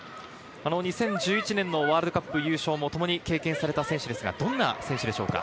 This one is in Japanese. ２０１１年ワールドカップ優勝もともに経験された選手ですが、どんな選手ですか？